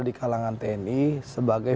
di kalangan tni sebagai